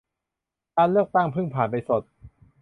การเลือกตั้งเพิ่งผ่านไปสด